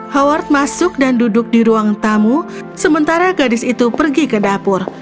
howard masuk dan duduk di ruang tamu sementara gadis itu pergi ke dapur